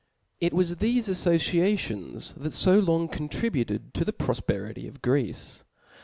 It was thefe affociations that fo long contributed to the profperity of Greece.